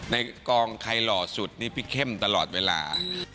ในกองใครหล่อสุดนี่พี่เข้มตลอดเวลา